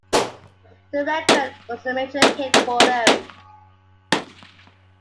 The record was a major hit for them.